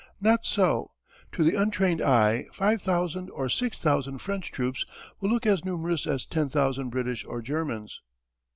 Not so. To the untrained eye five thousand or six thousand French troops will look as numerous as ten thousand British or Germans.